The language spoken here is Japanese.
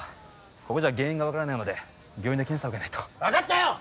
ここじゃ原因が分からないので病院で検査受けないと分かったよ！